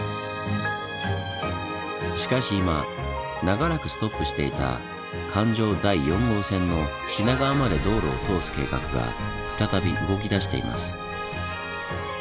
しかし今長らくストップしていた環状第４号線の品川まで道路を通す計画が再び動きだしています。